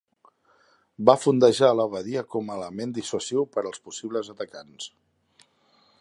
Va fondejar a la badia com a element dissuasiu per als possibles atacants.